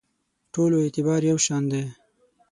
ټولو اعتبار یو شان دی.